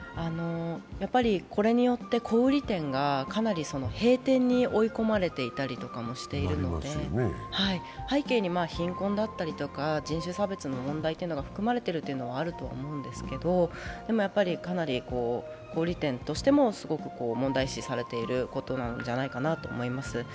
これによって小売店がかなり閉店に追い込まれたりもしているので、背景に貧困だったりとか、人種差別の問題というのが含まれているというのはあると思うんですけど、でも、かなり小売店としても、すごく問題視されていることなんじゃないかと思います。